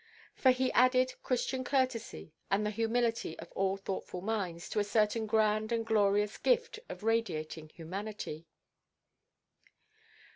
For he added Christian courtesy, and the humility of all thoughtful minds, to a certain grand and glorious gift of radiating humanity.